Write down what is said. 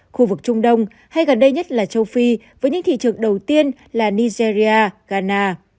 khu vực trung đông hay gần đây nhất là châu phi với những thị trường đầu tiên là nigeria ghana